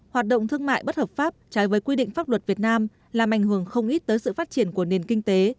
hoạt động thương mại bất hợp pháp trái với quy định pháp luật việt nam làm ảnh hưởng không ít tới sự phát triển của nền kinh tế